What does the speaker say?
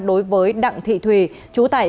đối với đặng thị thùy chú tải xã